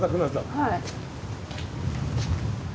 はい。